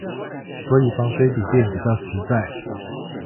所以防水筆電比較實在